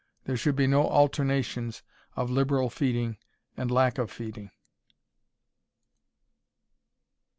There should be no alternations of liberal feeding and lack of feeding.